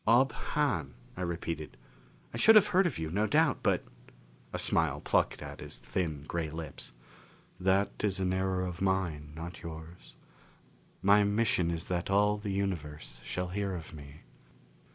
"Ob Hahn," I repeated. "I should have heard of you, no doubt, but " A smile plucked at his thin, gray lips. "That is an error of mine, not yours. My mission is that all the universe shall hear of me."